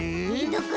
どこ？